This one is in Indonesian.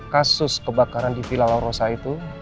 kasus kebakaran di villa la rosa itu